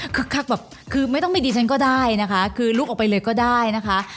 คักแบบคือไม่ต้องมีดิฉันก็ได้นะคะคือลุกออกไปเลยก็ได้นะคะ